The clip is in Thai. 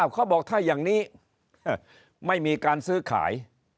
เขาบอกถ้าอย่างนี้ไม่มีการซื้อขาย